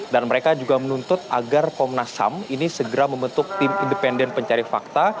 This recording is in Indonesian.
dan mereka juga menuntut agar komnas ham ini segera membentuk tim independen pencari fakta